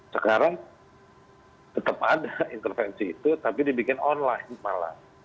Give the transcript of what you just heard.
sekarang tetap ada intervensi itu tapi dibikin online malah